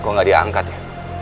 kok gak dia angkat ya